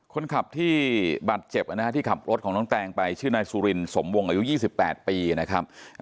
คนขับที่บาดเจ็บนะฮะที่ขับรถของน้องแตงไปชื่อนายสุรินสมวงอายุ๒๘ปีนะครับ